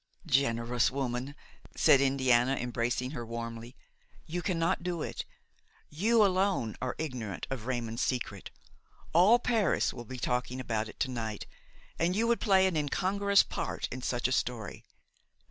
"Generous woman!" said Indiana, embracing her warmly, "you cannot do it. You alone are ignorant of Raymon's secret; all Paris will be talking about it tonight, and you would play an incongruous part in such a story.